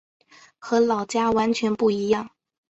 和老家完全不一样